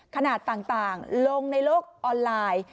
ขนาดต่างลงในโลกออนไลน์